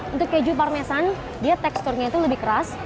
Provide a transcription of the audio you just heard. untuk keju parmesan dia teksturnya itu lebih keras